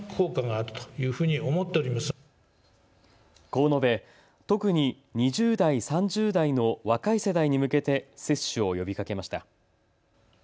こう述べ、特に２０代３０代の若い世代に向けて接種を呼びかけました。